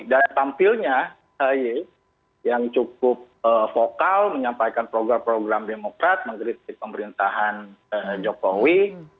dan tampilnya ahy yang cukup vokal menyampaikan program program demokrat mengkritik pemerintahan jokowi